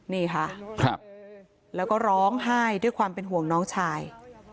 นี่ค่ะแล้วก็ร้องไห้ด้วยความเป็นห่วงน้องชาย